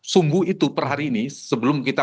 sungguh itu per hari ini sebelum kita